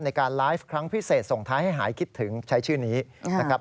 ในการไลฟ์ครั้งพิเศษส่งท้ายให้หายคิดถึงใช้ชื่อนี้นะครับ